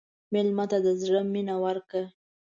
مېلمه ته د زړه مینه ورکړه.